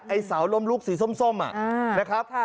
ไอ้เสาลมลุกสีส้มอ่ะนะครับ